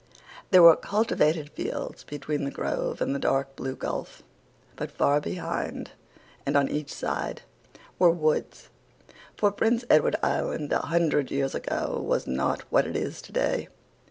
"There were cultivated fields between the grove and the dark blue gulf; but far behind and on each side were woods, for Prince Edward Island a hundred years ago was not what it is today.